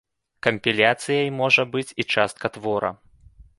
Кампіляцыяй можа быць і частка твора.